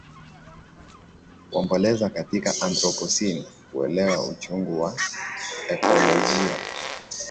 Kuomboleza Katika Anthropocene Kuelewa Uchungu wa Ekolojia